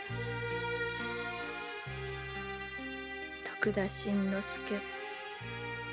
徳田新之助